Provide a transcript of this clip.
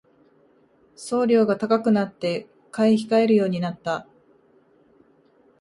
送料が高くなって買い控えるようになった